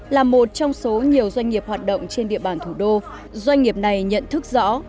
là một trong số nhiều doanh nghiệp hoạt động trên địa bàn thủ đô doanh nghiệp này nhận thức rõ